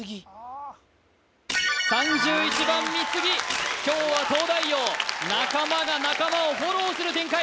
・ああ３１番みつぎ今日は東大王仲間が仲間をフォローする展開